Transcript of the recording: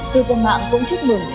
thế giới mạng cũng chúc mừng